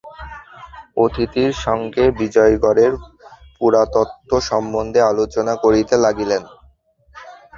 অতিথির সঙ্গে বিজয়গড়ের পুরাতত্ত্ব সম্বন্ধে আলোচনা করিতে লাগিলেন।